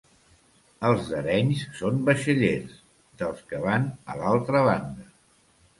Els d'Arenys són vaixellers, dels que van a l'altra banda.